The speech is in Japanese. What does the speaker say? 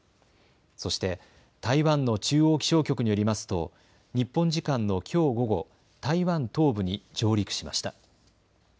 そして台湾の中央気象局によりますと日本時間のきょう午後、台湾東部に上陸しました。